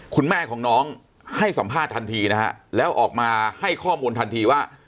คุณแม่ของน้องให้สัมภาษณ์ทันทีนะฮะแล้วออกมาให้ข้อมูลทันทีว่า